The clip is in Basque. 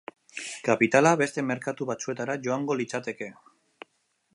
Kapitala beste merkatu batzuetara joango litzateke.